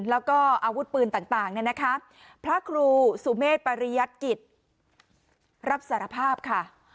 แล้วก็อาวุธปืนต่างเนี่ยนะคะพระครูสุเมษปริยัติกิจรับสารภาพค่ะ